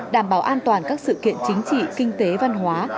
đảm bảo an toàn các sự kiện chính trị kinh tế văn hóa